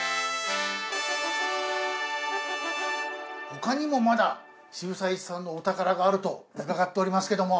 他にもまだ渋沢栄一さんのお宝があると伺っておりますけども。